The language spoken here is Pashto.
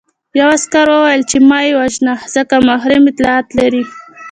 یوه عسکر وویل چې مه یې وژنه ځکه محرم اطلاعات لري